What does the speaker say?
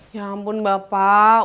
ya ampun bapak